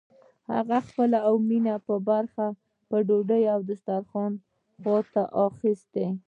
هغه خپله او د مينې برخه ډوډۍ له دسترخوانه واخيسته.